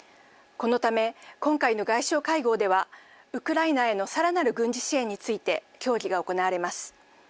このため、今回の外相会合では、ウクライナへのさらなる軍事支援について協議が行われます。